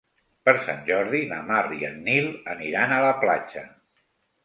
Per Sant Jordi na Mar i en Nil aniran a la platja.